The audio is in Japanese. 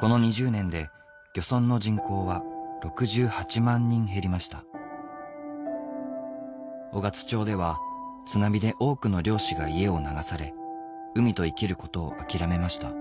この２０年で漁村の人口は６８万人減りました雄勝町では津波で多くの漁師が家を流され海と生きることを諦めました